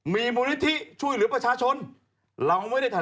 ไม่รู้นะผมไม่รู้ผมก็พูดเองนะ